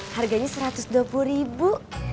harganya seratus dua puluh ribu